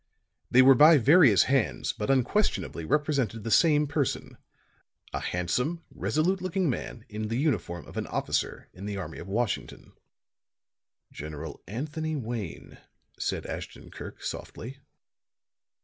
They were by various hands, but unquestionably represented the same person a handsome, resolute looking man in the uniform of an officer in the army of Washington. "General Anthony Wayne," said Ashton Kirk, softly.